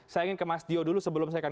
saya ingin ke mas dio dulu sebelum saya akan